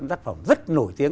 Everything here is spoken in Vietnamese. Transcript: một tác phẩm rất nổi tiếng